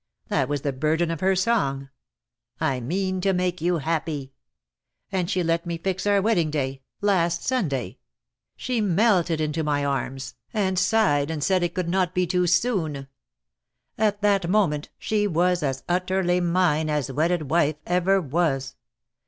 That was the burden of her song: 'I mean to make you happy.' And she let me fix our wedding day — last Sunday. She melted into my arms, and i8* 276 DEAD L0\^ HAS CHAINS. sighed, and said it could not be too soon. At that moment she was as utterly mine as wedded wife ever was.